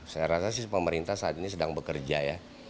saya rasa sih pemerintah saat ini sedang bekerja ya